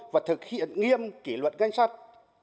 và thực hiện nghiêm kỷ luật ngân sách